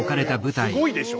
もうすごいでしょ。